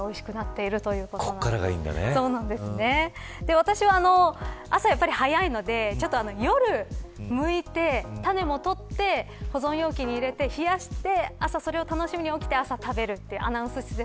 私は朝が早いので夜にむいて種も取って、保存容器に入れて冷やして、朝それを楽しみに起きて食べるという。